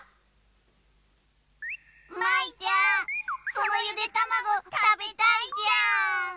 そのゆでたまごたべたいじゃー。